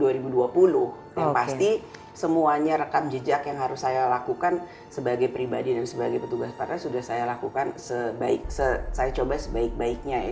yang pasti semuanya rekam jejak yang harus saya lakukan sebagai pribadi dan sebagai petugas partai sudah saya lakukan saya coba sebaik baiknya ya